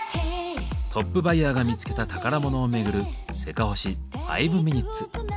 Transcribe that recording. トップバイヤーが見つけた宝物を巡る「せかほし５ｍｉｎ．」。